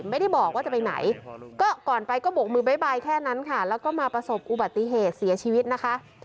ไม่ได้บอกว่าจะไปไหนก็ก่อนไปก็บกมือบ๊ายแค่นั้นค่ะแล้วก็มาประสบอุบัติเหตุเสียชีวิตนะคะ